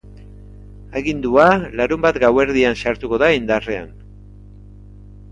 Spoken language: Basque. Agindua larunbat gauerdian sartuko da indarrean.